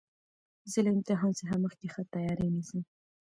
زه له امتحان څخه مخکي ښه تیاری نیسم.